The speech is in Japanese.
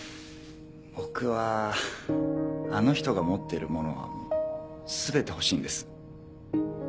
僕はあの人が持っているものはもう全て欲しいんです。